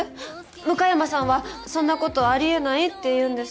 向山さんはそんな事あり得ないって言うんですけど。